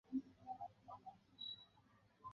我看到吊桥了